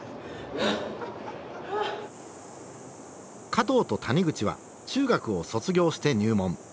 加藤と谷口は中学を卒業して入門。